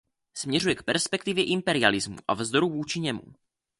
Směřuje k perspektivě imperialismu a vzdoru vůči němu.